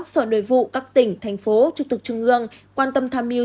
sở nội vụ các tỉnh thành phố trực tục trung ương quan tâm tham mưu